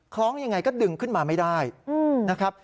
คล้องยังไงก็ดึงขึ้นมาไม่ได้นะครับ